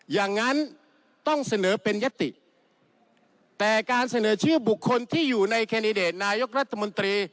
อย่างนั้นต้องเสนอเป็นยติแต่การเสนอชื่อบุคคลที่อยู่ในแคนดิเดตนายกรัฐมนตรี